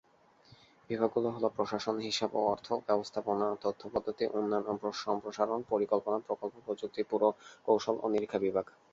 বিভাগগুলো হলো প্রশাসন, হিসাব ও অর্থ, ব্যবস্থাপনা তথ্য পদ্ধতি, উন্নয়ন ও সম্প্রসারণ, পরিকল্পনা, প্রকল্প, প্রযুক্তি, পুরকৌশল ও নিরীক্ষা বিভাগ।